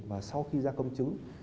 và sau khi ra công chứng